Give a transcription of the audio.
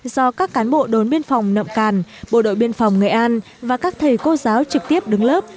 do các cán bộ đồn biên phòng nậm càn bộ đội biên phòng nghệ an và các thầy cô giáo trực tiếp đứng lớp